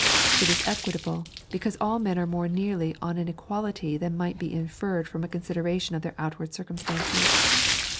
It is egviit(^>te, because all men are more nearly on an equality than might be infeired from a ootuddenition of their outward circumstances.